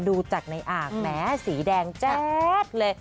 ดูจากในอ่างแม้สีแดงแจ๊ดเลย